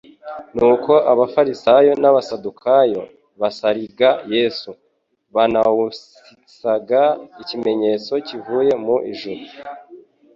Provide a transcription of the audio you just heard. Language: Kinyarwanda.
Nuko abafarisayo n'abasadukayo basariga Yesu, baunisaba ikimenyetso kivuye mu ijuru.